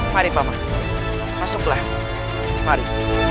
mari pak man masuklah mari